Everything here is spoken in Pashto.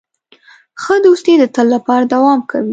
ښه دوستي د تل لپاره دوام کوي.